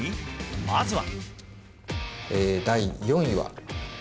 まずは。